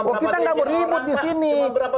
oh kita gak beribut disini